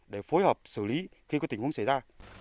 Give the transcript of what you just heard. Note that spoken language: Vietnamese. để phối hợp xử lý khi có tình huống xảy ra